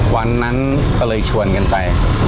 วันนั้นก็เลยชวนกันไป